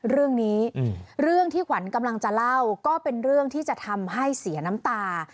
เรื่องนี้เรื่องที่ขวัญกำลังจะเล่าก็เป็นเรื่องที่จะทำให้เสียน้ำตา